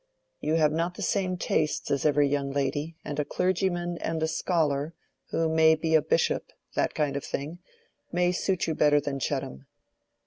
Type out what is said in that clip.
You have not the same tastes as every young lady; and a clergyman and scholar—who may be a bishop—that kind of thing—may suit you better than Chettam.